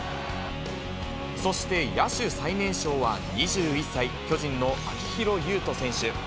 そして野手最年少は２１歳、巨人の秋広優人選手。